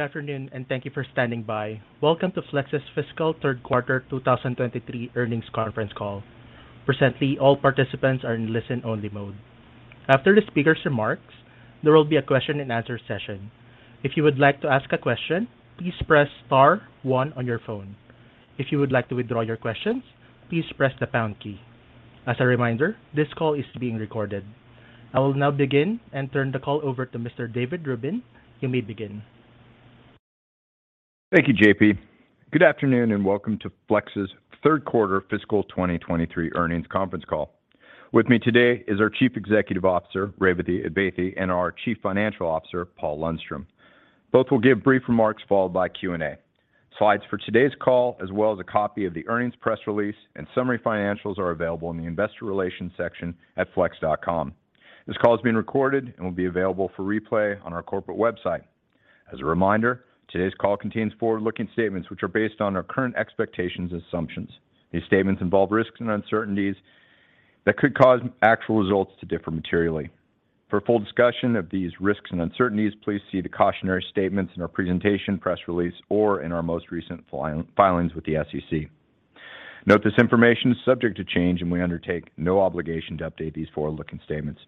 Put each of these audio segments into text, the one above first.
Afternoon. Thank you for standing by. Welcome to Flex's Fiscal Third Quarter 2023 earnings conference call. Presently, all participants are in listen-only mode. After the speaker's remarks, there will be a question and answer session. If you would like to ask a question, please press star one on your phone. If you would like to withdraw your questions, please press the pound key. As a reminder, this call is being recorded. I will now begin and turn the call over to Mr. David Rubin. You may begin. Thank you, JP. Good afternoon, welcome to Flex's third quarter fiscal 2023 earnings conference call. With me today is our Chief Executive Officer, Revathi Advaithi, and our Chief Financial Officer, Paul Lundstrom. Both will give brief remarks followed by Q&A. Slides for today's call, as well as a copy of the earnings press release and summary financials are available in the investor relations section at flex.com. This call is being recorded and will be available for replay on our corporate website. As a reminder, today's call contains forward-looking statements which are based on our current expectations and assumptions. These statements involve risks and uncertainties that could cause actual results to differ materially. For a full discussion of these risks and uncertainties, please see the cautionary statements in our presentation, press release, or in our most recent filings with the SEC. Note this information is subject to change, and we undertake no obligation to update these forward-looking statements.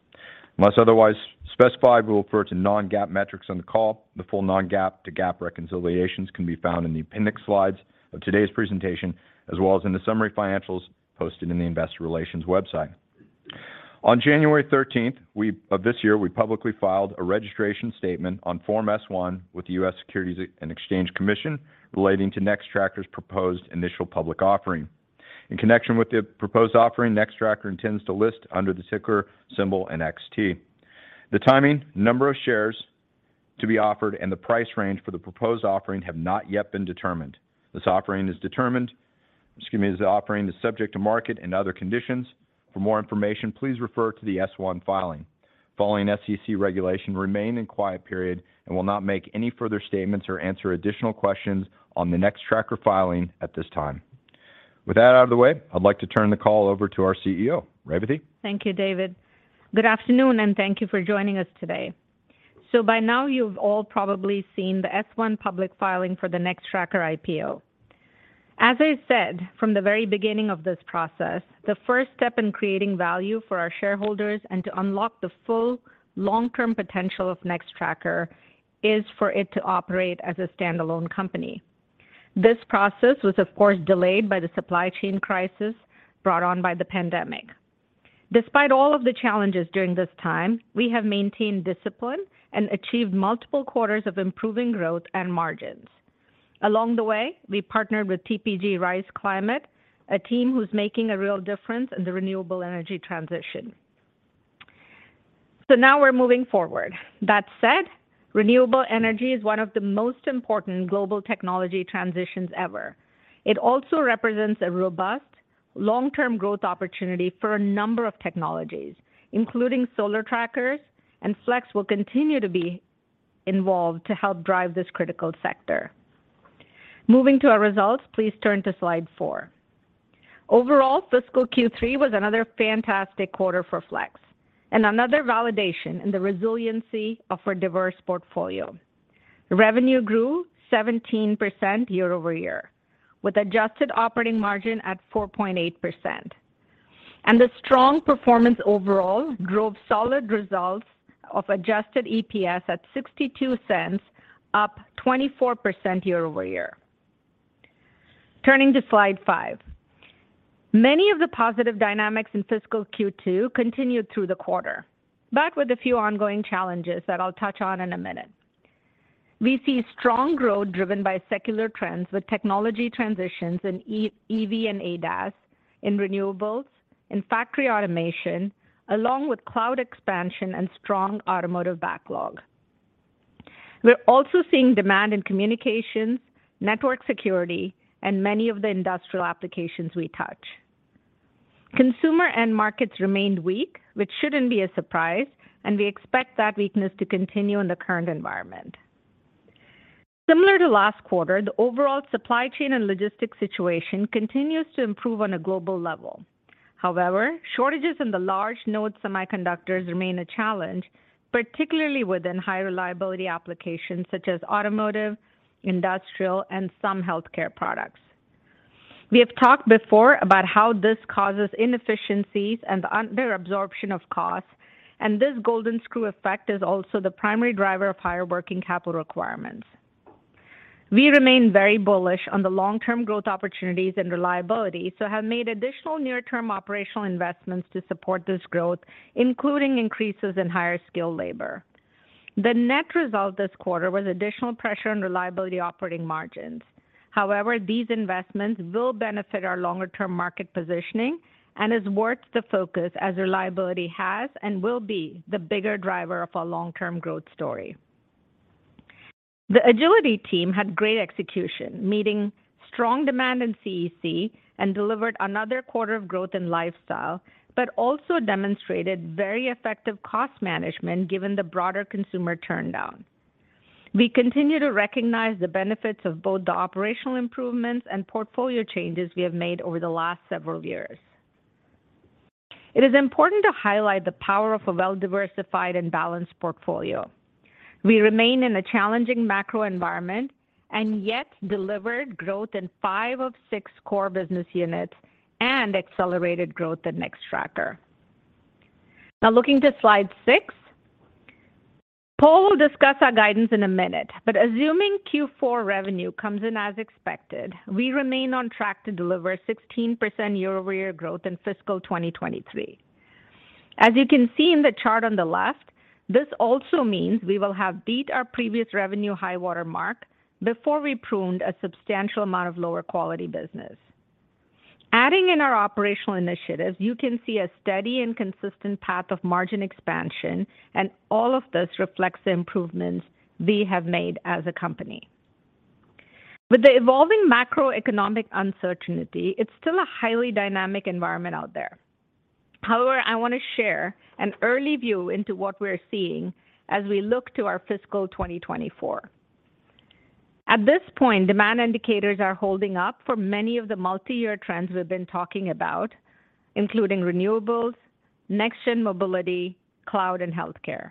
Unless otherwise specified, we'll refer to non-GAAP metrics on the call. The full non-GAAP to GAAP reconciliations can be found in the appendix slides of today's presentation, as well as in the summary financials posted in the investor relations website. On January 13th, we publicly filed a registration statement on Form S-1 with the U.S. Securities and Exchange Commission relating to Nextracker's proposed initial public offering. In connection with the proposed offering, Nextracker intends to list under the ticker symbol NXT. The timing, number of shares to be offered, and the price range for the proposed offering have not yet been determined. This offering is subject to market and other conditions. For more information, please refer to the S-1 filing. Following SEC regulation, we remain in quiet period and will not make any further statements or answer additional questions on the Nextracker filing at this time. With that out of the way, I'd like to turn the call over to our CEO, Revathi. Thank you, David. Good afternoon, and thank you for joining us today. By now you've all probably seen the S-1 public filing for the Nextracker IPO. As I said from the very beginning of this process, the first step in creating value for our shareholders and to unlock the full long-term potential of Nextracker is for it to operate as a standalone company. This process was of course delayed by the supply chain crisis brought on by the pandemic. Despite all of the challenges during this time, we have maintained discipline and achieved multiple quarters of improving growth and margins. Along the way, we partnered with TPG Rise Climate, a team who's making a real difference in the renewable energy transition. Now we're moving forward. That said, renewable energy is one of the most important global technology transitions ever. It also represents a robust long-term growth opportunity for a number of technologies, including solar trackers, and Flex will continue to be involved to help drive this critical sector. Moving to our results, please turn to slide four. Overall, fiscal Q3 was another fantastic quarter for Flex and another validation in the resiliency of our diverse portfolio. Revenue grew 17% year-over-year, with adjusted operating margin at 4.8%. The strong performance overall drove solid results of adjusted EPS at $0.62, up 24% year-over-year. Turning to slide five. Many of the positive dynamics in fiscal Q2 continued through the quarter, but with a few ongoing challenges that I'll touch on in a minute. We see strong growth driven by secular trends with technology transitions in EV and ADAS, in renewables, in factory automation, along with cloud expansion and strong automotive backlog. We're also seeing demand in communications, network security, and many of the industrial applications we touch. Consumer end markets remained weak, which shouldn't be a surprise, and we expect that weakness to continue in the current environment. Similar to last quarter, the overall supply chain and logistics situation continues to improve on a global level. However, shortages in the large node semiconductors remain a challenge, particularly within high reliability applications such as automotive, industrial, and some healthcare products. We have talked before about how this causes inefficiencies and the under absorption of costs, and this golden screw effect is also the primary driver of higher working capital requirements. We remain very bullish on the long-term growth opportunities and reliability, so have made additional near-term operational investments to support this growth, including increases in higher skill labor. The net result this quarter was additional pressure on reliability operating margins. These investments will benefit our longer-term market positioning and is worth the focus as Reliability has and will be the bigger driver of our long-term growth story. The Agility team had great execution, meeting strong demand in CEC and delivered another quarter of growth in lifestyle, but also demonstrated very effective cost management given the broader consumer turndown. We continue to recognize the benefits of both the operational improvements and portfolio changes we have made over the last several years. It is important to highlight the power of a well-diversified and balanced portfolio. We remain in a challenging macro environment and yet delivered growth in five of six core business units and accelerated growth at Nextracker. Looking to slide six. Paul will discuss our guidance in a minute, but assuming Q4 revenue comes in as expected, we remain on track to deliver 16% year-over-year growth in fiscal 2023. As you can see in the chart on the left, this also means we will have beat our previous revenue high water mark before we pruned a substantial amount of lower quality business. Adding in our operational initiatives, you can see a steady and consistent path of margin expansion, and all of this reflects the improvements we have made as a company. With the evolving macroeconomic uncertainty, it's still a highly dynamic environment out there. However, I want to share an early view into what we're seeing as we look to our fiscal 2024. At this point, demand indicators are holding up for many of the multi-year trends we've been talking about, including renewables, next gen mobility, cloud and healthcare.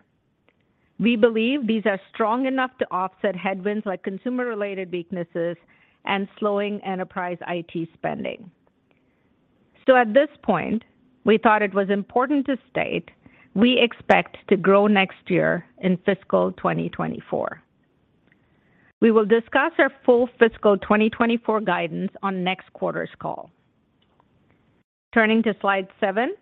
We believe these are strong enough to offset headwinds like consumer-related weaknesses and slowing enterprise IT spending. At this point, we thought it was important to state we expect to grow next year in fiscal 2024. We will discuss our full fiscal 2024 guidance on next quarter's call. Turning to slide seven.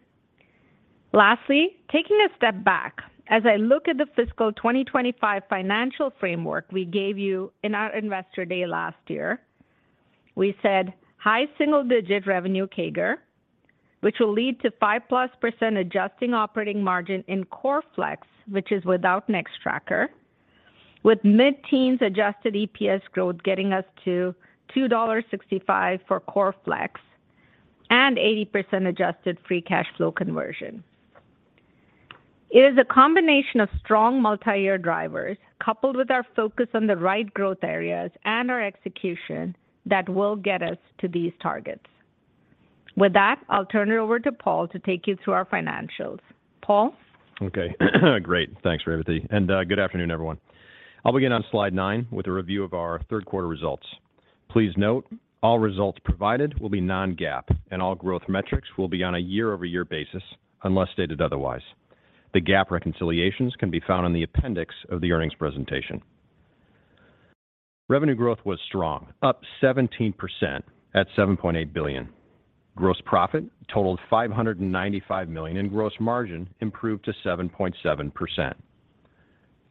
Lastly, taking a step back, as I look at the fiscal 2025 financial framework we gave you in our Investor Day last year, we said high single-digit revenue CAGR, which will lead to 5+% adjusting operating margin in Core Flex, which is without Nextracker, with mid-teens adjusted EPS growth getting us to $2.65 for Core Flex and 80% adjusted free cash flow conversion. It is a combination of strong multi-year drivers coupled with our focus on the right growth areas and our execution that will get us to these targets. With that, I'll turn it over to Paul to take you through our financials. Paul? Okay. Great. Thanks, Revathi, and good afternoon, everyone. I'll begin on slide nine with a review of our third quarter results. Please note all results provided will be non-GAAP, and all growth metrics will be on a year-over-year basis unless stated otherwise. The GAAP reconciliations can be found in the appendix of the earnings presentation. Revenue growth was strong, up 17% at 7.8 billion. Gross profit totaled 595 million, and gross margin improved to 7.7%.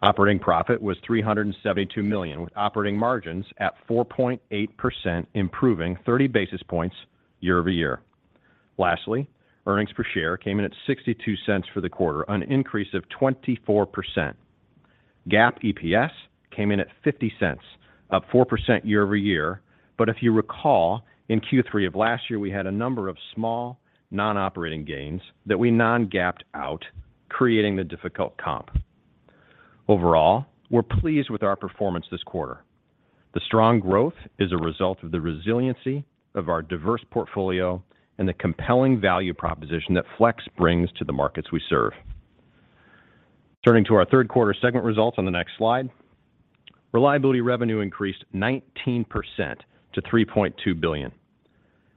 Operating profit was 372 million, with operating margins at 4.8%, improving 30 basis points year-over-year. Lastly, earnings per share came in at 0.62 for the quarter, an increase of 24%. GAAP EPS came in at 0.50, up 4% year-over-year. If you recall, in Q3 of last year, we had a number of small non-operating gains that we non-GAAPed out, creating the difficult comp. Overall, we're pleased with our performance this quarter. The strong growth is a result of the resiliency of our diverse portfolio and the compelling value proposition that Flex brings to the markets we serve. Turning to our third quarter segment results on the next slide. Reliability revenue increased 19% to 3.2 billion.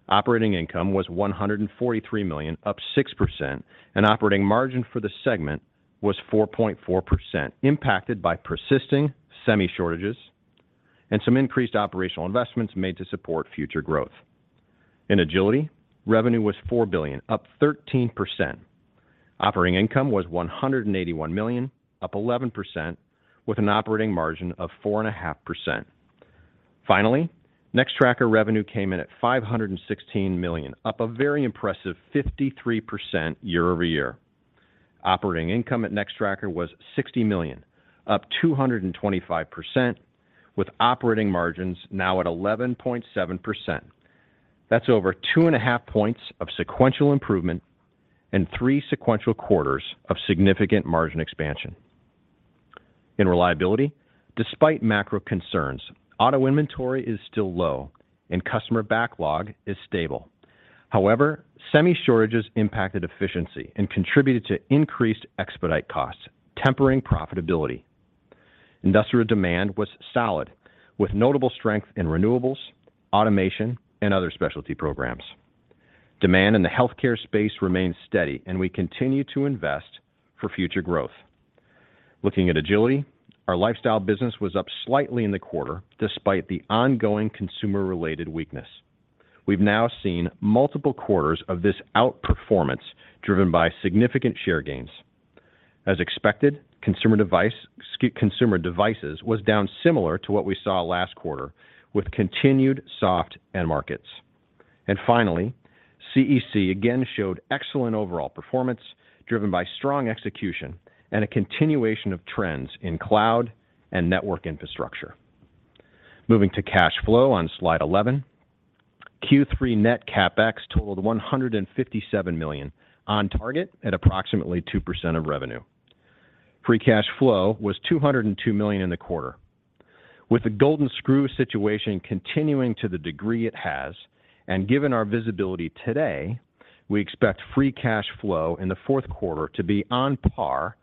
Operating income was 143 million, up 6%, and operating margin for the segment was 4.4%, impacted by persisting Semicap shortages and some increased operational investments made to support future growth. In Agility, revenue was 4 billion, up 13%. Operating income was 181 million, up 11%, with an operating margin of 4.5%. Nextracker revenue came in at 516 million, up a very impressive 53% year-over-year. Operating income at Nextracker was 60 million, up 225%, with operating margins now at 11.7%. That's over two and a half points of sequential improvement and three sequential quarters of significant margin expansion. In reliability, despite macro concerns, auto inventory is still low and customer backlog is stable. Semi shortages impacted efficiency and contributed to increased expedite costs, tempering profitability. Industrial demand was solid, with notable strength in renewables, automation and other specialty programs. Demand in the healthcare space remains steady, we continue to invest for future growth. Looking at Agility, our lifestyle business was up slightly in the quarter despite the ongoing consumer-related weakness. We've now seen multiple quarters of this outperformance driven by significant share gains. As expected, consumer devices was down similar to what we saw last quarter, with continued soft end markets. Finally, CEC again showed excellent overall performance driven by strong execution and a continuation of trends in cloud and network infrastructure. Moving to cash flow on slide 11. Q3 net CapEx totaled 157 million, on target at approximately 2% of revenue. Free cash flow was 202 million in the quarter. With the golden screw situation continuing to the degree it has and given our visibility today, we expect free cash flow in the fourth quarter to be on par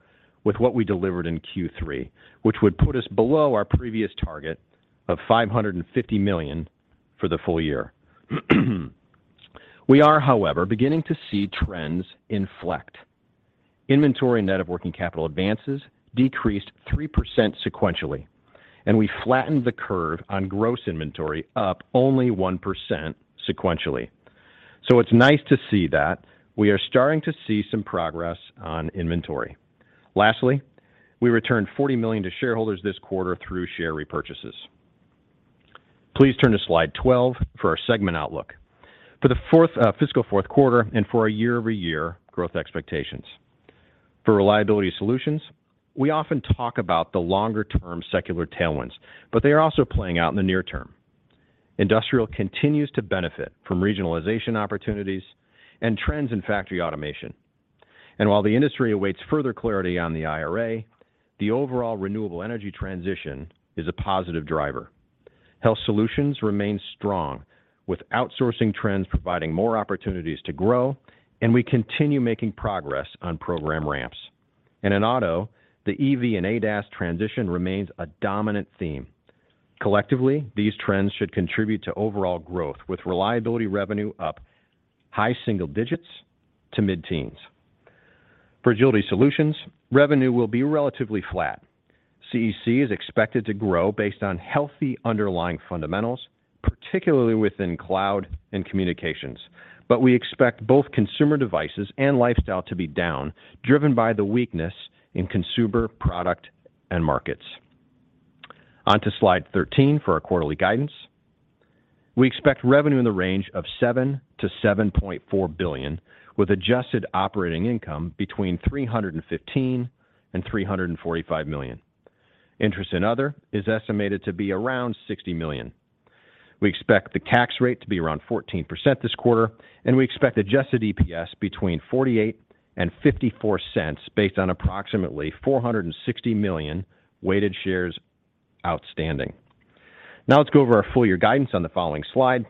with what we delivered in Q3, which would put us below our previous target of 550 million for the full year. We are, however, beginning to see trends inflect. Inventory net of working capital advances decreased 3% sequentially. We flattened the curve on gross inventory up only 1% sequentially. It's nice to see that we are starting to see some progress on inventory. Lastly, we returned 40 million to shareholders this quarter through share repurchases. Please turn to slide 12 for our segment outlook. For the fiscal fourth quarter and for our year-over-year growth expectations. For Reliability Solutions, we often talk about the longer term secular tailwinds, but they are also playing out in the near term. Industrial continues to benefit from regionalization opportunities and trends in factory automation. While the industry awaits further clarity on the IRA, the overall renewable energy transition is a positive driver. Health Solutions remain strong, with outsourcing trends providing more opportunities to grow. We continue making progress on program ramps. In auto, the EV and ADAS transition remains a dominant theme. Collectively, these trends should contribute to overall growth, with Reliability revenue up high single digits to mid-teens. For Agility Solutions, revenue will be relatively flat. CEC is expected to grow based on healthy underlying fundamentals, particularly within cloud and communications. We expect both consumer devices and lifestyle to be down, driven by the weakness in consumer product and markets. On to slide 13 for our quarterly guidance. We expect revenue in the range of 7 billion-7.4 billion, with adjusted operating income between 315 million and 345 million. Interest in other is estimated to be around 60 million. We expect the tax rate to be around 14% this quarter. We expect adjusted EPS between 0.48-0.54 based on approximately 460 million weighted shares outstanding. Let's go over our full year guidance on the following slide.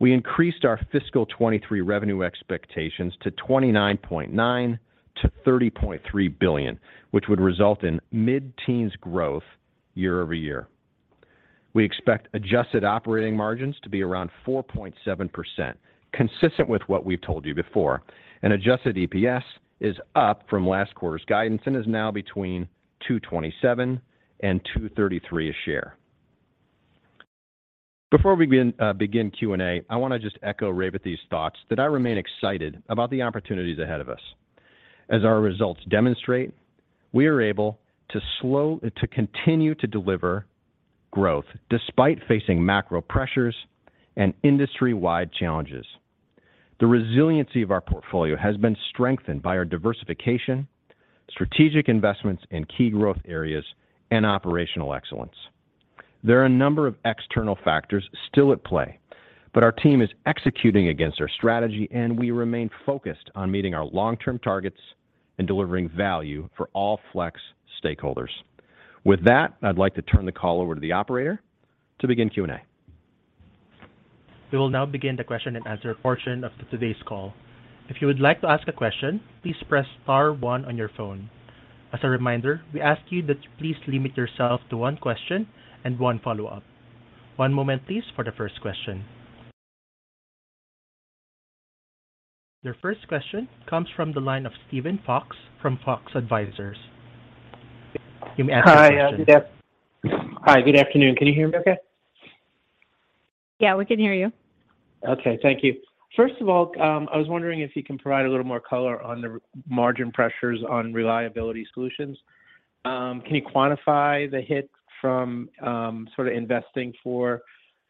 We increased our fiscal 23 revenue expectations to 29.9 billion-30.3 billion, which would result in mid-teens growth year-over-year. We expect adjusted operating margins to be around 4.7%, consistent with what we've told you before. Adjusted EPS is up from last quarter's guidance and is now between 2.27-2.33 a share. Before we begin Q&A, I want to just echo Revathi Advaithi's thoughts that I remain excited about the opportunities ahead of us. As our results demonstrate, we are able to continue to deliver growth despite facing macro pressures and industry-wide challenges. The resiliency of our portfolio has been strengthened by our diversification, strategic investments in key growth areas, and operational excellence. There are a number of external factors still at play, but our team is executing against our strategy, and we remain focused on meeting our long-term targets and delivering value for all Flex stakeholders. With that, I'd like to turn the call over to the operator to begin Q&A. We will now begin the question and answer portion of today's call. If you would like to ask a question, please press star one on your phone. As a reminder, we ask you that you please limit yourself to one question and one follow-up. One moment, please, for the first question. Your first question comes from the line of Steven Fox from Fox Advisors. You may ask your question. Hi. Good afternoon. Can you hear me okay? Yeah, we can hear you. Thank you. First of all, I was wondering if you can provide a little more color on the margin pressures on Reliability Solutions. Can you quantify the hit from sort of investing for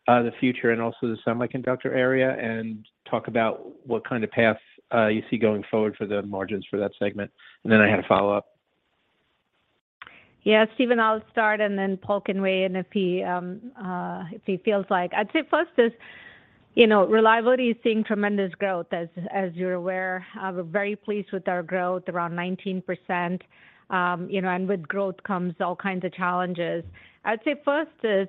the future and also the semiconductor area and talk about what kind of path you see going forward for the margins for that segment? I had a follow-up. Yeah, Steven, I'll start, then Paul can weigh in if he feels like. I'd say first is, you know, reliability is seeing tremendous growth, as you're aware. We're very pleased with our growth, around 19%. You know, with growth comes all kinds of challenges. I'd say first is,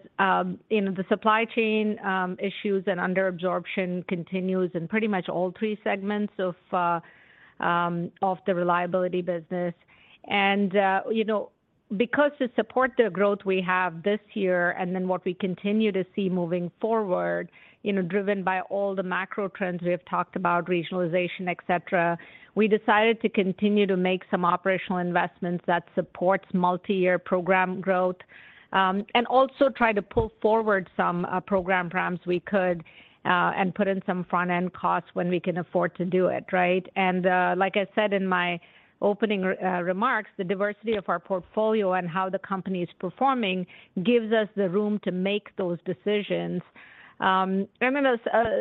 you know, the supply chain issues and underabsorption continues in pretty much all three segments of the reliability business. You know, because to support the growth we have this year and then what we continue to see moving forward, you know, driven by all the macro trends we have talked about, regionalization, et cetera, we decided to continue to make some operational investments that supports multi-year program growth and also try to pull forward some program ramps we could and put in some front-end costs when we can afford to do it, right? Like I said in my opening remarks, the diversity of our portfolio and how the company is performing gives us the room to make those decisions. Then those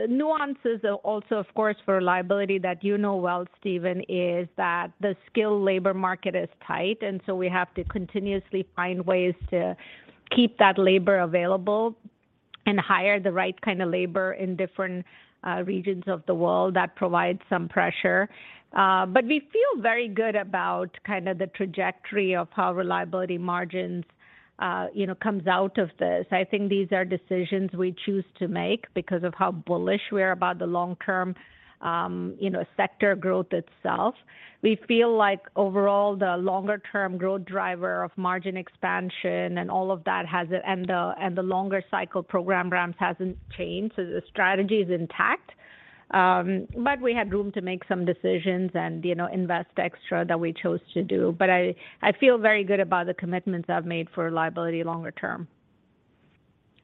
nuances also, of course, for reliability that you know well, Steven, is that the skilled labor market is tight, and so we have to continuously find ways to keep that labor available. Hire the right kind of labor in different regions of the world that provide some pressure. We feel very good about kinda the trajectory of how reliability margins, you know, comes out of this. I think these are decisions we choose to make because of how bullish we are about the long term, you know, sector growth itself. We feel like overall, the longer term growth driver of margin expansion and all of that and the longer cycle program ramps hasn't changed. The strategy is intact. We had room to make some decisions and, you know, invest extra that we chose to do. I feel very good about the commitments I've made for Reliability longer term.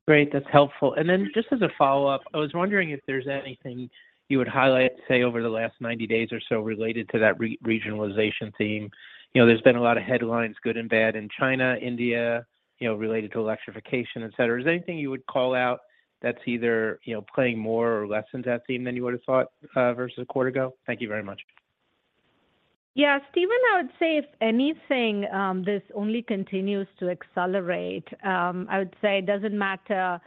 Great. That's helpful. Then just as a follow-up, I was wondering if there's anything you would highlight, say, over the last 90 days or so related to that re-regionalization theme. You know, there's been a lot of headlines, good and bad in China, India, you know, related to electrification, et cetera. Is there anything you would call out that's either, you know, playing more or less in that theme than you would have thought versus a quarter ago? Thank you very much. Yeah, Steven, I would say if anything, this only continues to accelerate. I would say it doesn't matter,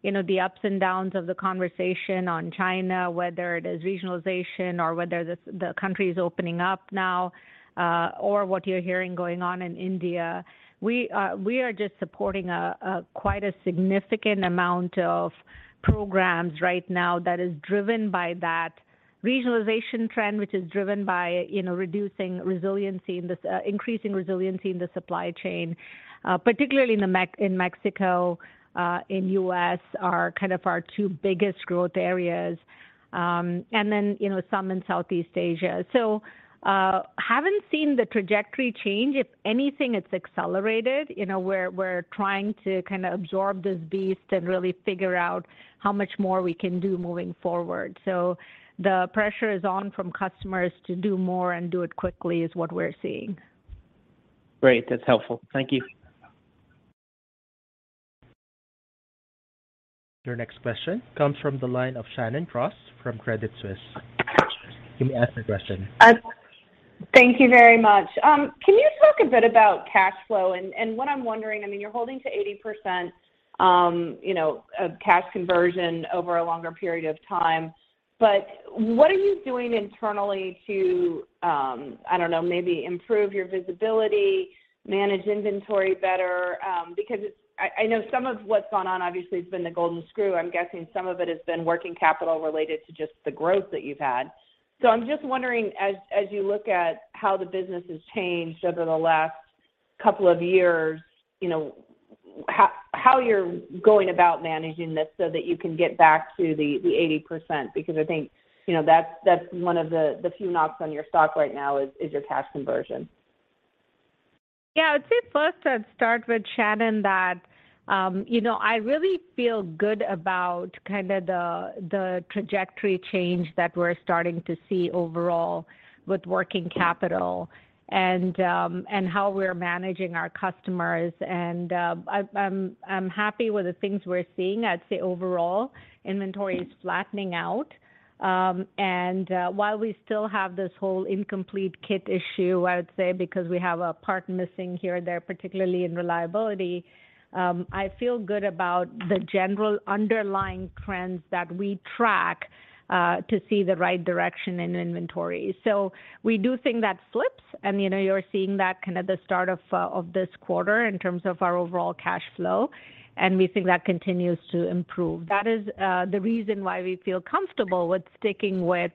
you know, the ups and downs of the conversation on China, whether it is regionalization or whether the country is opening up now, or what you're hearing going on in India. We are just supporting a quite a significant amount of programs right now that is driven by that regionalization trend, which is driven by, you know, reducing resiliency and increasing resiliency in the supply chain, particularly in Mexico, in U.S. are kind of our two biggest growth areas, and then, you know, some in Southeast Asia. Haven't seen the trajectory change. If anything, it's accelerated. You know, we're trying to kind of absorb this beast and really figure out how much more we can do moving forward. The pressure is on from customers to do more and do it quickly, is what we're seeing. Great. That's helpful. Thank you. Your next question comes from the line of Shannon Cross from Credit Suisse. You may ask your question. Thank you very much. Can you talk a bit about cash flow? What I'm wondering, I mean, you're holding to 80%, you know, cash conversion over a longer period of time. What are you doing internally to, I don't know, maybe improve your visibility, manage inventory better? Because I know some of what's gone on obviously has been the golden screw. I'm guessing some of it has been working capital related to just the growth that you've had. I'm just wondering as you look at how the business has changed over the last couple of years, you know, how you're going about managing this so that you can get back to the 80%, because I think, you know, that's one of the few knocks on your stock right now is your cash conversion. Yeah. I'd say first I'd start with Shannon that, you know, I really feel good about kind of the trajectory change that we're starting to see overall with working capital and how we're managing our customers. I'm happy with the things we're seeing. I'd say overall inventory is flattening out. While we still have this whole incomplete kit issue, I would say because we have a part missing here and there, particularly in reliability, I feel good about the general underlying trends that we track, to see the right direction in inventory. We do think that slips and, you know, you're seeing that kind of the start of this quarter in terms of our overall cash flow, and we think that continues to improve. That is the reason why we feel comfortable with sticking with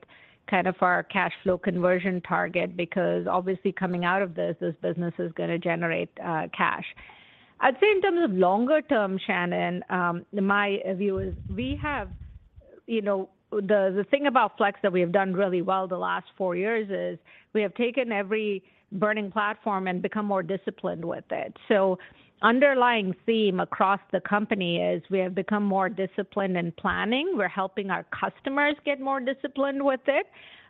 kind of our cash flow conversion target, because obviously coming out of this business is gonna generate cash. I'd say in terms of longer term, Shannon, my view is we have, you know. The thing about Flex that we have done really well the last four years is we have taken every burning platform and become more disciplined with it. Underlying theme across the company is we have become more disciplined in planning. We're helping our customers get more disciplined with it.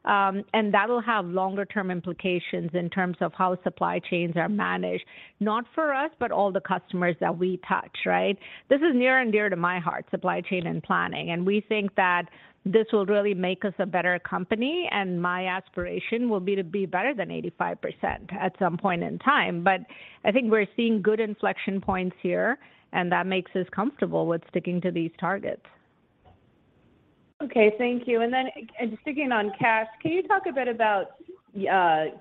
That will have longer term implications in terms of how supply chains are managed, not for us, but all the customers that we touch, right? This is near and dear to my heart, supply chain and planning. We think that this will really make us a better company, and my aspiration will be to be better than 85% at some point in time. I think we're seeing good inflection points here, and that makes us comfortable with sticking to these targets. Okay. Thank you. Just sticking on cash, can you talk a bit about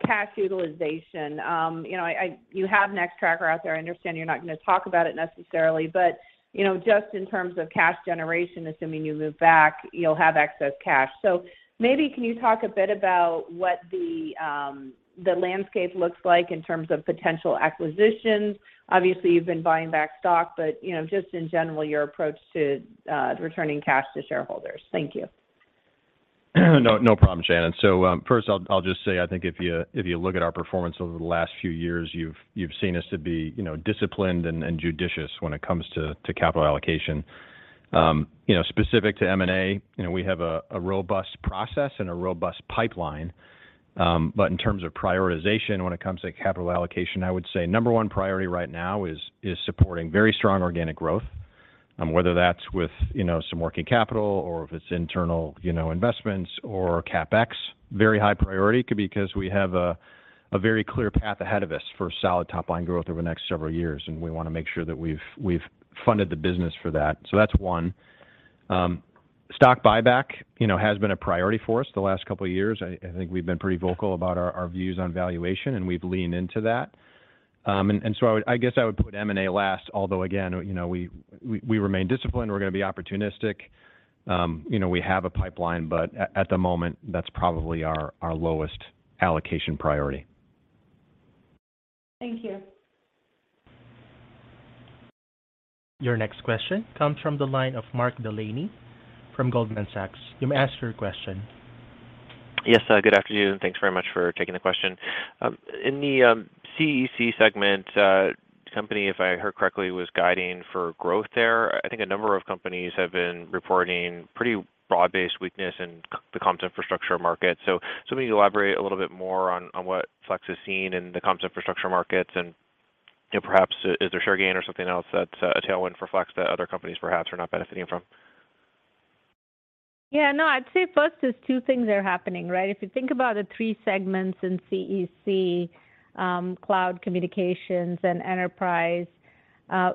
cash utilization? You know, you have Nextracker out there. I understand you're not gonna talk about it necessarily, but, you know, just in terms of cash generation, assuming you move back, you'll have excess cash. Maybe can you talk a bit about what the landscape looks like in terms of potential acquisitions? Obviously, you've been buying back stock, but, you know, just in general, your approach to returning cash to shareholders. Thank you. No problem, Shannon. First I'll just say, I think if you look at our performance over the last few years, you've seen us to be, you know, disciplined and judicious when it comes to capital allocation. You know, specific to M&A, you know, we have a robust process and a robust pipeline. In terms of prioritization, when it comes to capital allocation, I would say number one priority right now is supporting very strong organic growth. Whether that's with, you know, some working capital or if it's internal, you know, investments or CapEx. Very high priority could be because we have a very clear path ahead of us for solid top line growth over the next several years, and we want to make sure that we've funded the business for that. That's one. Stock buyback, you know, has been a priority for us the last couple of years. I think we've been pretty vocal about our views on valuation, and we've leaned into that. I guess I would put M&A last, although again, you know, we remain disciplined. We're gonna be opportunistic. You know, we have a pipeline, but at the moment, that's probably our lowest allocation priority. Thank you. Your next question comes from the line of Mark Delaney from Goldman Sachs. You may ask your question. Yes. Good afternoon, thanks very much for taking the question. In the CEC segment, the company, if I heard correctly, was guiding for growth there. I think a number of companies have been reporting pretty broad-based weakness in the comps infrastructure market. Maybe elaborate a little bit more on what Flex is seeing in the comps infrastructure markets, and, you know, perhaps is there share gain or something else that's a tailwind for Flex that other companies perhaps are not benefiting from? Yeah, no, I'd say first there's 2 things that are happening, right? If you think about the 3 segments in CEC, cloud communications and enterprise,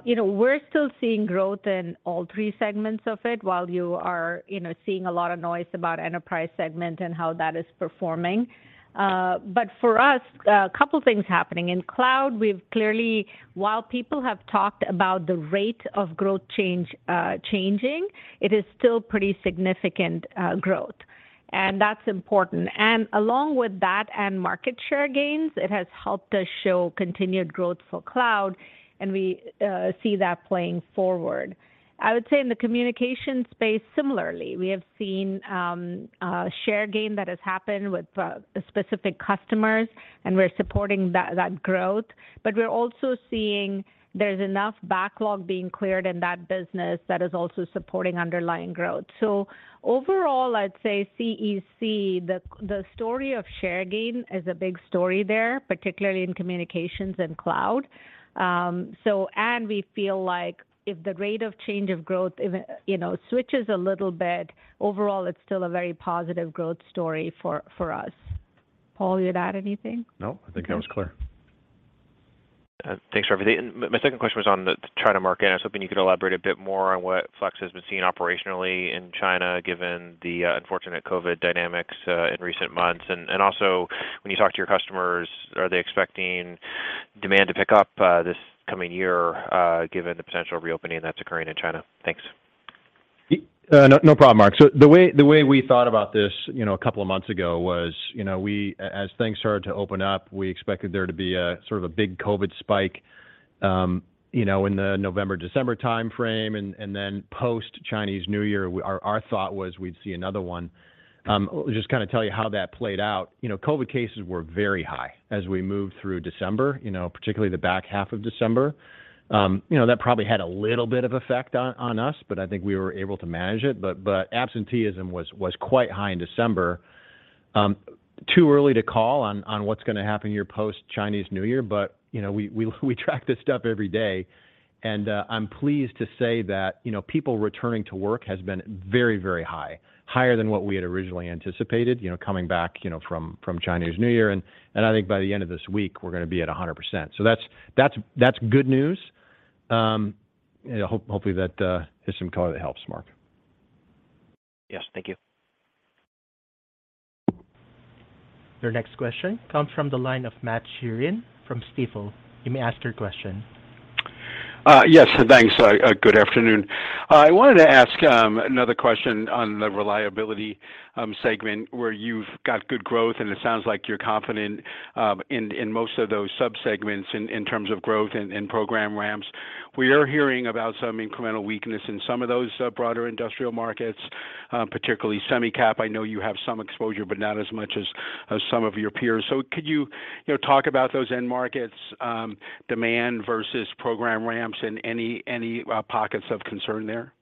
you know, we're still seeing growth in all three segments of it while you are, you know, seeing a lot of noise about enterprise segment and how that is performing. For us, a couple things happening. In cloud, we've clearly while people have talked about the rate of growth change, changing, it is still pretty significant growth. That's important. Along with that and market share gains, it has helped us show continued growth for cloud, and we see that playing forward. I would say in the communication space, similarly, we have seen share gain that has happened with specific customers, and we're supporting that growth. We're also seeing there's enough backlog being cleared in that business that is also supporting underlying growth. Overall, I'd say CEC, the story of share gain is a big story there, particularly in communications and cloud. We feel like if the rate of change of growth, even, you know, switches a little bit, overall it's still a very positive growth story for us. Paul, you'd add anything? No, I think that was clear. Thanks for everything. My second question was on the China market. I was hoping you could elaborate a bit more on what Flex has been seeing operationally in China, given the unfortunate COVID dynamics in recent months. Also, when you talk to your customers, are they expecting demand to pick up this coming year, given the potential reopening that's occurring in China? Thanks. No problem, Mark. The way we thought about this, you know, a couple of months ago was, you know, as things started to open up, we expected there to be a sort of a big COVID spike, you know, in the November, December timeframe, and then post Chinese New Year, our thought was we'd see another one. Just kinda tell you how that played out. You know, COVID cases were very high as we moved through December, you know, particularly the back half of December. You know, that probably had a little bit of effect on us, but I think we were able to manage it. Absenteeism was quite high in December. Too early to call on what's gonna happen here post Chinese New Year, but, you know, we track this stuff every day. I'm pleased to say that, you know, people returning to work has been very, very high, higher than what we had originally anticipated, you know, coming back, you know, from Chinese New Year. I think by the end of this week, we're gonna be at 100%. That's good news. You know, hopefully that is some color that helps, Mark. Yes. Thank you. Your next question comes from the line of Matt Sheerin from Stifel. You may ask your question. Yes. Thanks. Good afternoon. I wanted to ask another question on the Reliability Solutions segment, where you've got good growth, and it sounds like you're confident in most of those sub-segments in terms of growth and program ramps. We are hearing about some incremental weakness in some of those broader industrial markets, particularly Semicap. I know you have some exposure, but not as much as some of your peers. Could you know, talk about those end markets, demand versus program ramps and any pockets of concern there?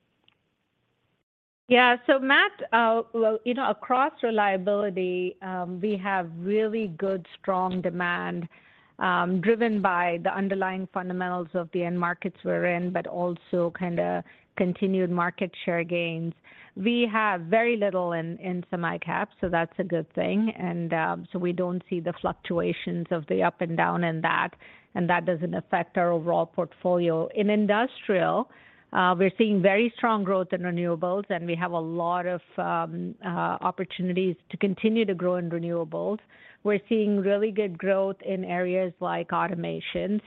Yeah. Matt, well, you know, across reliability, we have really good, strong demand, driven by the underlying fundamentals of the end markets we're in, but also kind of continued market share gains. We have very little in Semicap, that's a good thing. We don't see the fluctuations of the up and down in that, and that doesn't affect our overall portfolio. In industrial, we're seeing very strong growth in renewables, and we have a lot of opportunities to continue to grow in renewables. We're seeing really good growth in areas like automation.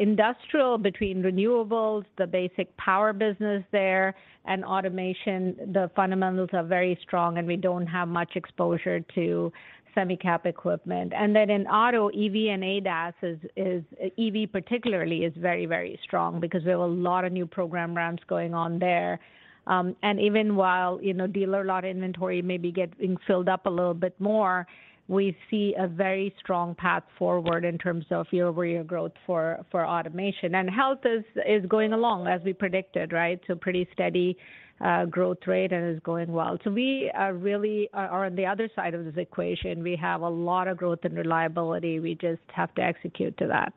Industrial, between renewables, the basic power business there and automation, the fundamentals are very strong, and we don't have much exposure to Semicap equipment. In auto, EV and ADAS EV particularly is very strong because there were a lot of new program ramps going on there. Even while, you know, dealer lot inventory may be getting filled up a little bit more, we see a very strong path forward in terms of year-over-year growth for automation. Health is going along as we predicted, right? Pretty steady growth rate and is going well. We are really on the other side of this equation. We have a lot of growth and reliability. We just have to execute to that.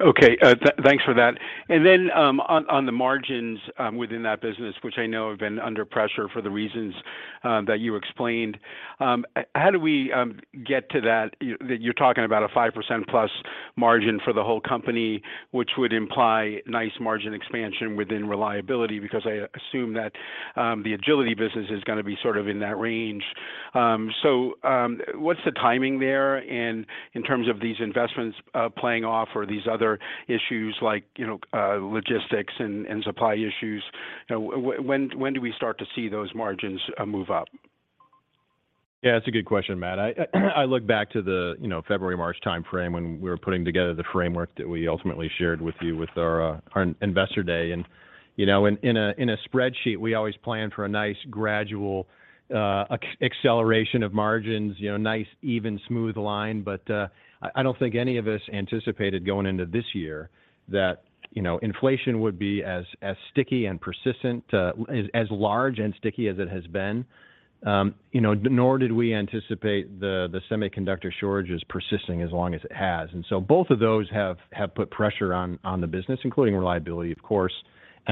Okay. Thanks for that. On the margins, within that business, which I know have been under pressure for the reasons that you explained, how do we get to that you're talking about a 5% plus margin for the whole company, which would imply nice margin expansion within reliability because I assume that the agility business is gonna be sort of in that range? What's the timing there in terms of these investments playing off or these other issues like, you know, logistics and supply issues? You know, when do we start to see those margins move up? Yeah, that's a good question, Matt. I look back to the, you know, February-March time frame when we were putting together the framework that we ultimately shared with you with our investor day. You know, in a spreadsheet, we always plan for a nice gradual acceleration of margins, you know, nice even, smooth line. I don't think any of us anticipated going into this year that, you know, inflation would be as sticky and persistent, as large and sticky as it has been. You know, nor did we anticipate the semiconductor shortages persisting as long as it has. Both of those have put pressure on the business, including reliability, of course.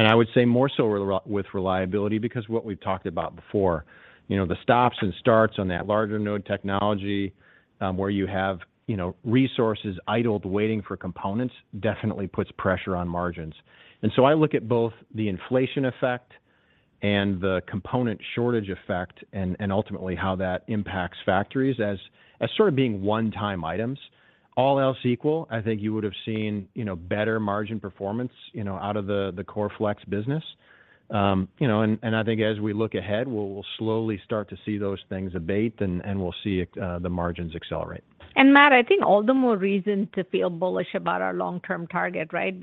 I would say more so with reliability because what we've talked about before, you know, the stops and starts on that larger node technology, where you have, you know, resources idled waiting for components definitely puts pressure on margins. I look at both the inflation effect and the component shortage effect and ultimately how that impacts factories as sort of being one-time items. All else equal, I think you would've seen, you know, better margin performance, you know, out of the Core Flex business. You know, I think as we look ahead, we'll slowly start to see those things abate and we'll see the margins accelerate. Matt, I think all the more reason to feel bullish about our long-term target, right?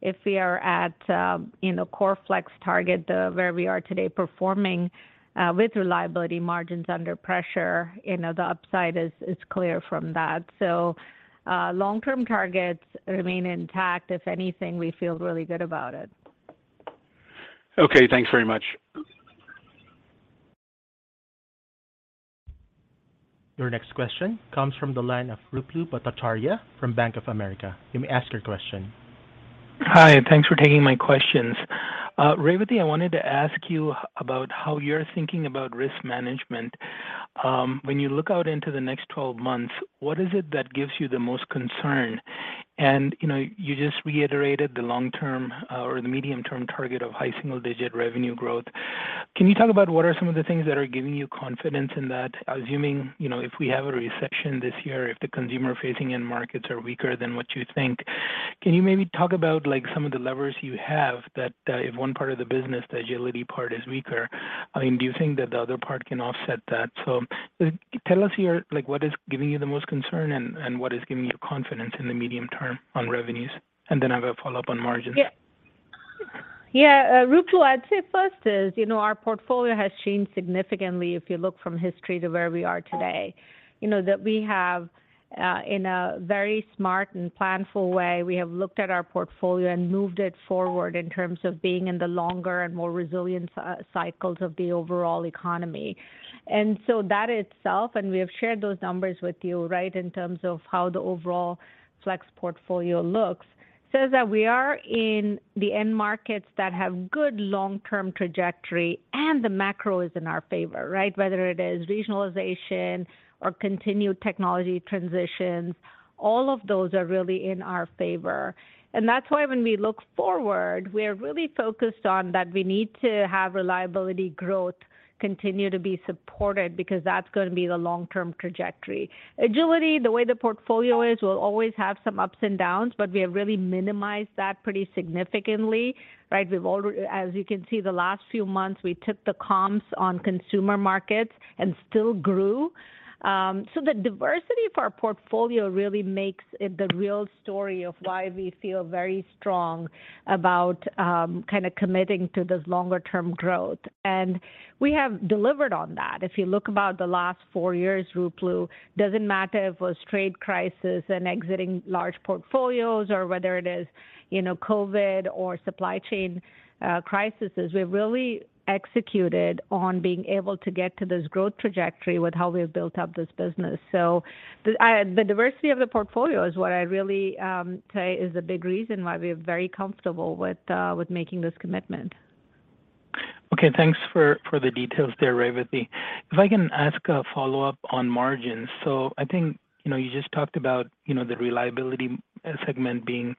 If we are at, you know, Core Flex target, where we are today performing, with reliability margins under pressure, you know, the upside is clear from that. Long-term targets remain intact. If anything, we feel really good about it. Okay. Thanks very much. Your next question comes from the line of Ruplu Bhattacharya from Bank of America. You may ask your question. Hi, thanks for taking my questions. Revathi, I wanted to ask you about how you're thinking about risk management. When you look out into the next 12 months, what is it that gives you the most concern? You know, you just reiterated the long term, or the medium-term target of high single-digit revenue growth. Can you talk about what are some of the things that are giving you confidence in that, assuming, you know, if we have a recession this year, if the consumer-facing end markets are weaker than what you think? Can you maybe talk about like some of the levers you have that, if one part of the business, the Agility part, is weaker, I mean, do you think that the other part can offset that? Tell us like what is giving you the most concern and what is giving you confidence in the medium term on revenues? I've got a follow-up on margins. Yeah. Yeah, Ruplu, I'd say first is, you know, our portfolio has changed significantly if you look from history to where we are today. You know, that we have in a very smart and planful way, we have looked at our portfolio and moved it forward in terms of being in the longer and more resilient cycles of the overall economy. That itself, we have shared those numbers with you, right, in terms of how the overall Flex portfolio looks, says that we are in the end markets that have good long-term trajectory, and the macro is in our favor, right? Whether it is regionalization or continued technology transitions, all of those are really in our favor. That's why when we look forward, we're really focused on that we need to have reliability growth continue to be supported because that's gonna be the long-term trajectory. Agility, the way the portfolio is, will always have some ups and downs, but we have really minimized that pretty significantly, right? As you can see, the last few months, we took the comps on consumer markets and still grew. The diversity of our portfolio really makes it the real story of why we feel very strong about kind of committing to this longer term growth. We have delivered on that. If you look about the last four years, Ruplu, doesn't matter if it was trade crisis and exiting large portfolios or whether it is, you know, COVID or supply chain crises, we've really executed on being able to get to this growth trajectory with how we've built up this business. The diversity of the portfolio is what I really say is a big reason why we're very comfortable with making this commitment. Okay, thanks for the details there, Revathi. If I can ask a follow-up on margins. I think, you know, you just talked about, you know, the reliability segment being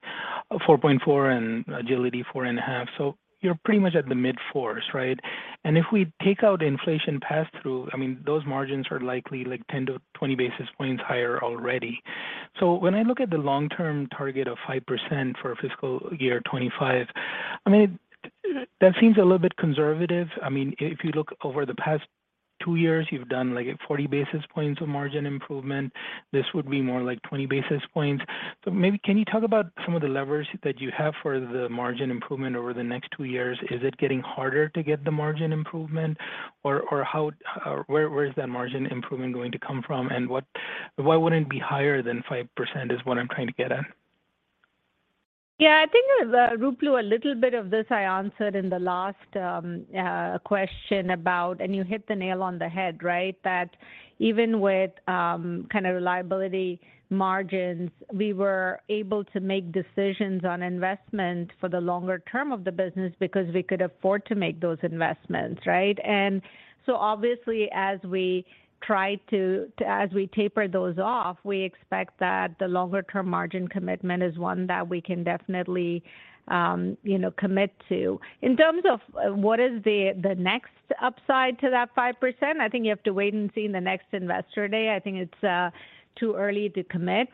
4.4% and agility 4.5%. You're pretty much at the mid-fourths, right? If we take out inflation pass-through, I mean, those margins are likely like 10-20 basis points higher already. When I look at the long-term target of 5% for fiscal year 2025, I mean, that seems a little bit conservative. I mean, if you look over the past two years, you've done like 40 basis points of margin improvement. This would be more like 20 basis points. Maybe can you talk about some of the levers that you have for the margin improvement over the next two years? Is it getting harder to get the margin improvement? How, or where is that margin improvement going to come from? What, why wouldn't it be higher than 5%, is what I'm trying to get at? I think, Ruplu Bhattacharya, a little bit of this I answered in the last question about. You hit the nail on the head, right? That even with kind of reliability margins, we were able to make decisions on investment for the longer term of the business because we could afford to make those investments, right? Obviously, as we taper those off, we expect that the longer term margin commitment is one that we can definitely, you know, commit to. In terms of what is the next upside to that 5%, I think you have to wait and see in the next Investor Day. I think it's too early to commit.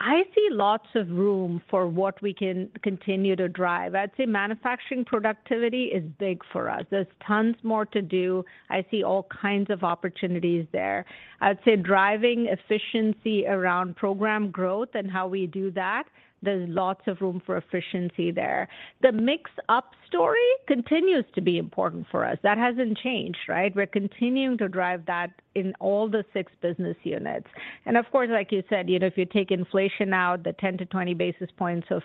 I see lots of room for what we can continue to drive. I'd say manufacturing productivity is big for us. There's tons more to do. I see all kinds of opportunities there. I would say driving efficiency around program growth and how we do that, there's lots of room for efficiency there. The mix-up story continues to be important for us. That hasn't changed, right? We're continuing to drive that in all the six business units. Of course, like you said, you know, if you take inflation out, the 10-20 basis points of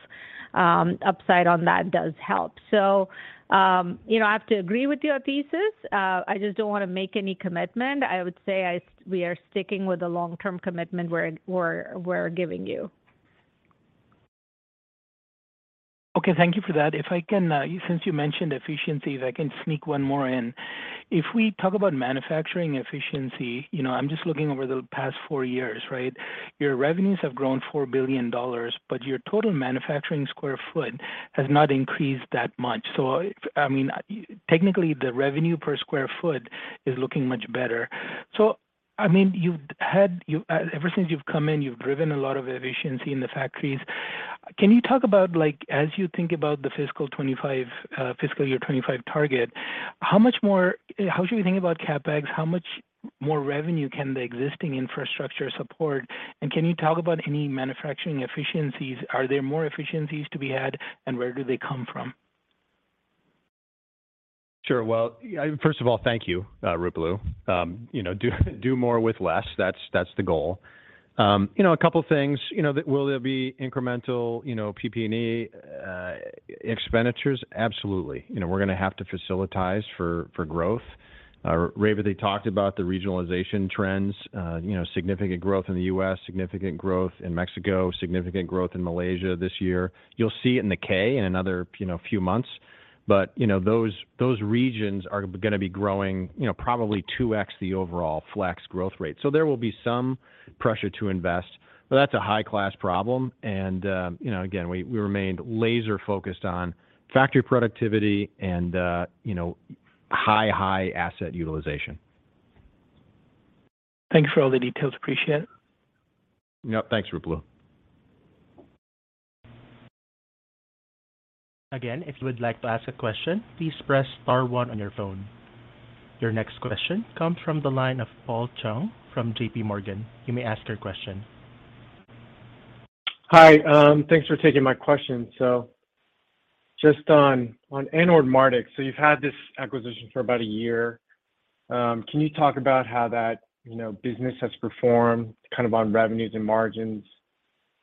upside on that does help. You know, I have to agree with your thesis. I just don't want to make any commitment. I would say we are sticking with the long-term commitment we're giving you. Okay. Thank you for that. If I can, since you mentioned efficiencies, I can sneak one more in. If we talk about manufacturing efficiency, you know, I'm just looking over the past four years, right? Your revenues have grown $4 billion, but your total manufacturing sq ft has not increased that much. I mean, technically, the revenue per sq ft is looking much better. I mean, you've had Ever since you've come in, you've driven a lot of efficiency in the factories. Can you talk about, like, as you think about the fiscal 25, fiscal year 25 target, how should we think about CapEx? How much more revenue can the existing infrastructure support? Can you talk about any manufacturing efficiencies? Are there more efficiencies to be had, and where do they come from? Sure. Well, first of all, thank you, Ruplu. You know, do more with less, that's the goal. You know, a couple of things. You know, will there be incremental, you know, PP&E expenditures? Absolutely. You know, we're gonna have to facilitize for growth. Revathi, they talked about the regionalization trends, you know, significant growth in the U.S., significant growth in Mexico, significant growth in Malaysia this year. You'll see it in the K in another, you know, few months. You know, those regions are gonna be growing, you know, probably 2x the overall Flex growth rate. There will be some pressure to invest. That's a high-class problem. You know, again, we remained laser-focused on factory productivity and, you know, high asset utilization. Thank you for all the details. Appreciate it. Yep. Thanks, Ruplu. If you would like to ask a question, please press star 1 on your phone. Your next question comes from the line of Paul Chung from J.P. Morgan. You may ask your question. Hi. Thanks for taking my question. Just on Anord Mardix, you've had this acquisition for about a year. Can you talk about how that, you know, business has performed kind of on revenues and margins?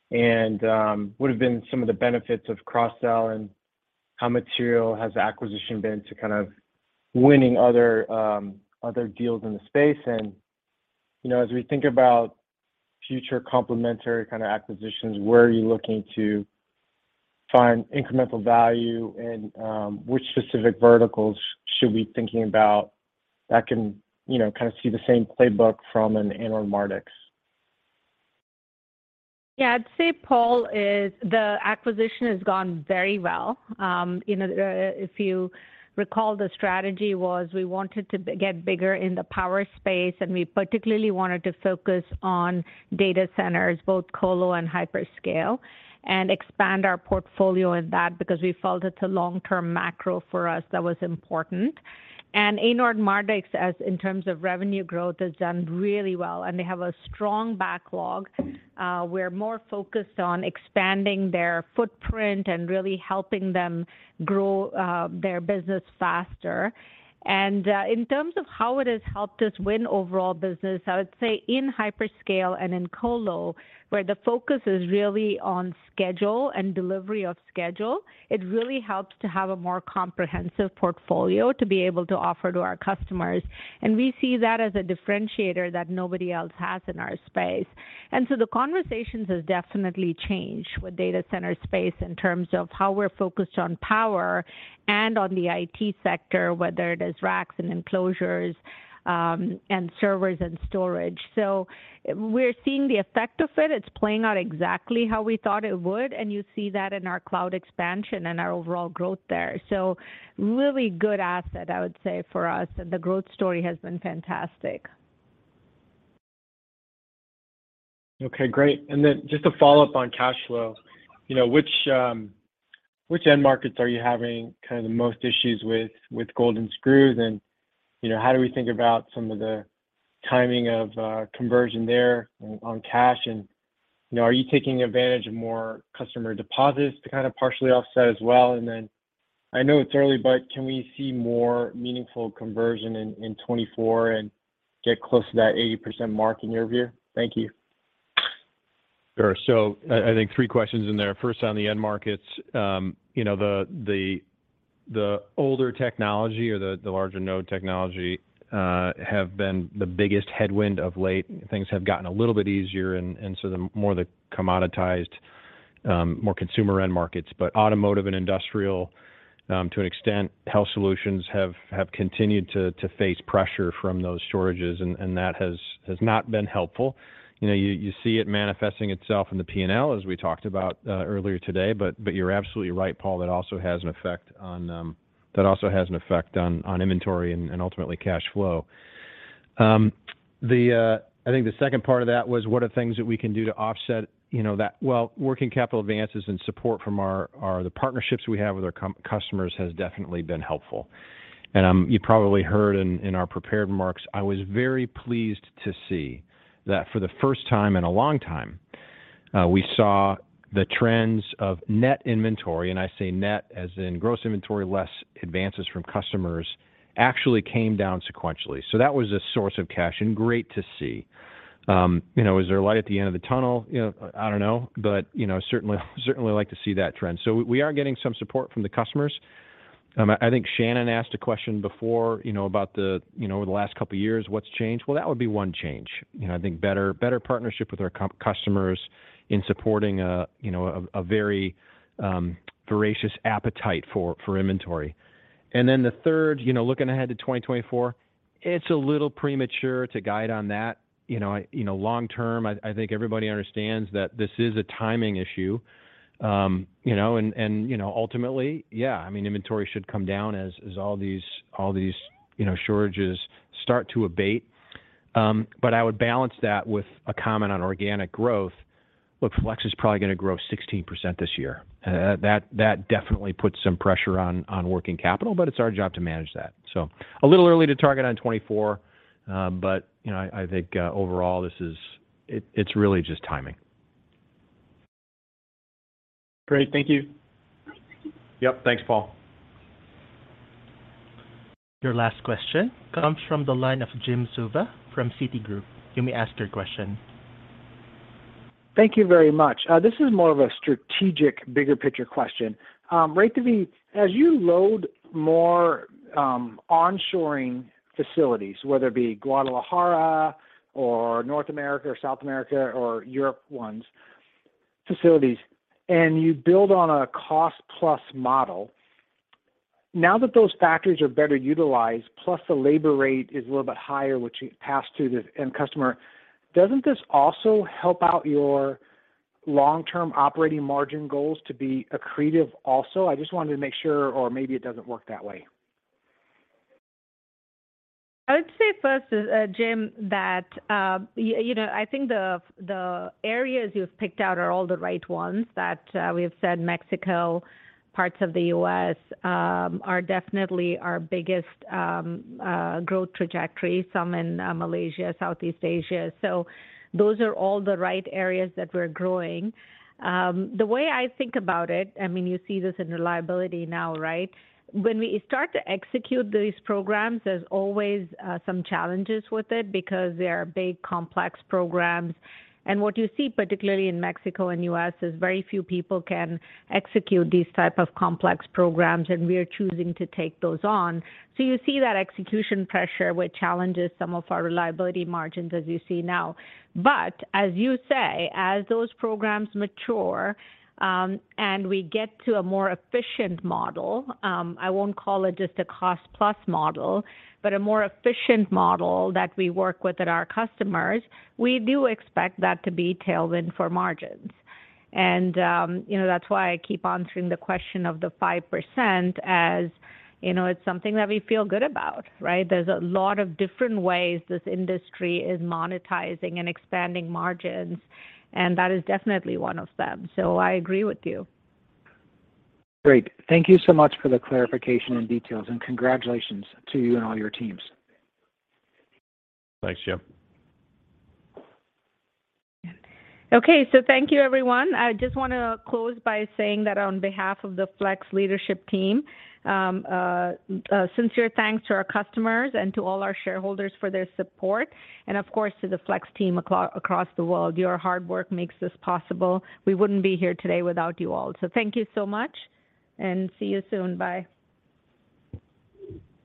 What have been some of the benefits of cross-sell, and how material has the acquisition been to kind of winning other deals in the space? As we think about future complementary kind of acquisitions, where are you looking to find incremental value and which specific verticals should we be thinking about that can, you know, kind of see the same playbook from an Anord Mardix? Yeah. I'd say, Paul, is the acquisition has gone very well. You know, if you recall, the strategy was we wanted to get bigger in the power space, and we particularly wanted to focus on data centers, both colo and hyperscale, and expand our portfolio in that because we felt it's a long-term macro for us that was important. Anord Mardix as in terms of revenue growth has done really well, and they have a strong backlog. We're more focused on expanding their footprint and really helping them grow their business faster. In terms of how it has helped us win overall business, I would say in hyperscale and in colo, where the focus is really on schedule and delivery of schedule, it really helps to have a more comprehensive portfolio to be able to offer to our customers. We see that as a differentiator that nobody else has in our space. The conversations have definitely changed with data center space in terms of how we're focused on power and on the IT sector, whether it is racks and enclosures, and servers and storage. We're seeing the effect of it. It's playing out exactly how we thought it would, and you see that in our cloud expansion and our overall growth there. Really good asset, I would say, for us. The growth story has been fantastic. Okay, great. Just to follow up on cash flow, you know, which end markets are you having kind of the most issues with golden screws? You know, how do we think about some of the timing of conversion there on cash? You know, are you taking advantage of more customer deposits to kind of partially offset as well? I know it's early, but can we see more meaningful conversion in 2024 and get close to that 80% mark in your view? Thank you. Sure. I think three questions in there. First, on the end markets, you know, the older technology or the larger node technology have been the biggest headwind of late. Things have gotten a little bit easier the more the commoditized, more consumer end markets. Automotive and industrial, to an extent, health solutions have continued to face pressure from those shortages and that has not been helpful. You know, you see it manifesting itself in the P&L as we talked about earlier today. You're absolutely right, Paul, that also has an effect on inventory and ultimately cash flow. I think the second part of that was what are things that we can do to offset, you know, that. Well, working capital advances and support from our... the partnerships we have with our customers has definitely been helpful. You probably heard in our prepared remarks, I was very pleased to see that for the first time in a long time, we saw the trends of net inventory, and I say net as in gross inventory less advances from customers, actually came down sequentially. That was a source of cash and great to see. You know, is there light at the end of the tunnel? You know, I don't know. You know, certainly like to see that trend. We are getting some support from the customers. I think Shannon asked a question before, you know, about the over the last couple of years, what's changed. Well, that would be one change. You know, I think better partnership with our customers in supporting, you know, a very voracious appetite for inventory. The third, you know, looking ahead to 2024, it's a little premature to guide on that. You know, long term, I think everybody understands that this is a timing issue. You know, and, you know, ultimately, yeah, I mean, inventory should come down as all these, you know, shortages start to abate. I would balance that with a comment on organic growth. Look, Flex is probably gonna grow 16% this year. That definitely puts some pressure on working capital, it's our job to manage that. A little early to target on 2024, you know, I think overall this is... it's really just timing. Great. Thank you. Yep. Thanks, Paul. Your last question comes from the line of Jim Suva from Citigroup. You may ask your question. Thank you very much. This is more of a strategic, bigger picture question. Revathi, as you load more onshoring facilities, whether it be Guadalajara or North America or South America or Europe ones, facilities, and you build on a cost plus model. Now that those factories are better utilized, plus the labor rate is a little bit higher, which you pass to the end customer, doesn't this also help out your long-term operating margin goals to be accretive also? I just wanted to make sure, or maybe it doesn't work that way. I would say first, Jim, that you know, I think the areas you've picked out are all the right ones, that we have said Mexico, parts of the U.S., are definitely our biggest growth trajectory. Some in Malaysia, Southeast Asia. Those are all the right areas that we're growing. The way I think about it, I mean, you see this in reliability now, right? When we start to execute these programs, there's always some challenges with it because they are big, complex programs. What you see, particularly in Mexico and U.S., is very few people can execute these type of complex programs, and we are choosing to take those on. You see that execution pressure, which challenges some of our reliability margins as you see now. As you say, as those programs mature, and we get to a more efficient model, I won't call it just a cost plus model, but a more efficient model that we work with at our customers, we do expect that to be tailwind for margins. You know, that's why I keep answering the question of the 5% as, you know, it's something that we feel good about, right? There's a lot of different ways this industry is monetizing and expanding margins, and that is definitely one of them. I agree with you. Great. Thank you so much for the clarification and details, and congratulations to you and all your teams. Thanks, Jim. Okay. Okay. Thank you, everyone. I just wanna close by saying that on behalf of the Flex leadership team, sincere thanks to our customers and to all our shareholders for their support, and of course, to the Flex team across the world. Your hard work makes this possible. We wouldn't be here today without you all. Thank you so much and see you soon. Bye.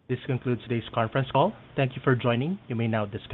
This concludes today's conference call. Thank you for joining. You may now disconnect.